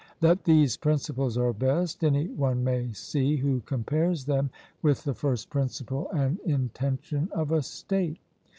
That these principles are best, any one may see who compares them with the first principle and intention of a state.